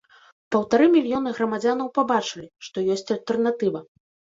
Паўтары мільёны грамадзянаў пабачылі, што ёсць альтэрнатыва.